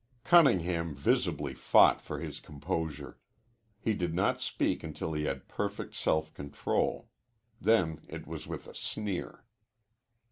Cunningham visibly fought for his composure. He did not speak until he had perfect self control. Then it was with a sneer.